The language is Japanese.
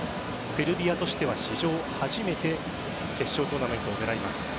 セルビアとしては、史上初めて決勝トーナメントを狙います。